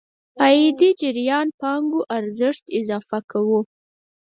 عايدي جريان پانګې ارزښت اضافه کوو.